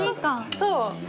そう。